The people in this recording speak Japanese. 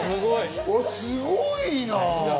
すごいな！